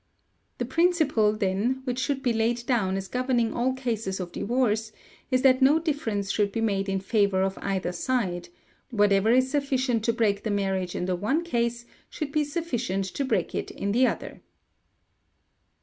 The principle, then, which should be laid down as governing all cases of divorce, is that no difference should be made in favour of either side; whatever is sufficient to break the marriage in the one case should be sufficient to break it in the other.